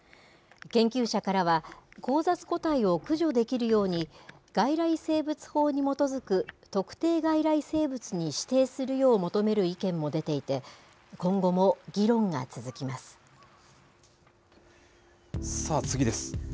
研究者からは、交雑個体を駆除できるように、外来生物法に基づく特定外来生物に指定するよう求める意見も出てさあ、次です。